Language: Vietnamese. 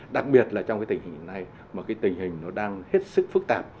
đặc biệt là trong cái tình hình này mà cái tình hình nó đang hết sức phức tạp